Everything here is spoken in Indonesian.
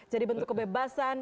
jadi bentuk kebebasan